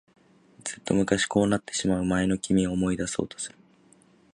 ずっと昔、こうなってしまう前の君を思い出そうとする。